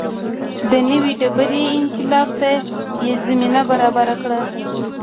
د نوې ډبرې انقلاب ته یې زمینه برابره کړه.